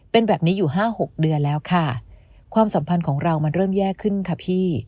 เป็นแบบนี้อยู่ห้าหกเดือนแล้วค่ะความสัมพันธ์ของเรามันเริ่มแย่ขึ้นค่ะพี่